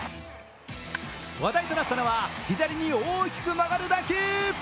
話題となったのは左に大きく曲がる打球。